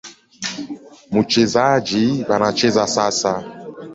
Mchezaji B anacheza sasa.